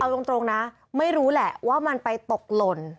เอาตรงนะไม่รู้แหละว่ามันไปตกหล่น